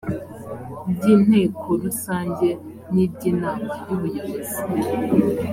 by inteko rusange n iby inama y ubuyobozi